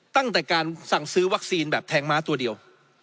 ตั้งแต่การสั่งซื้อวัคซีนแบบแทงม้าตัวเดียว